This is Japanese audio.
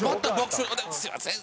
「すみません！」